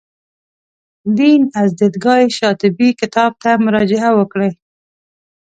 دین از دیدګاه شاطبي کتاب ته مراجعه وکړئ.